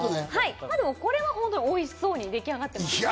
まあでも、これは本当においしそうに出来上がってますね。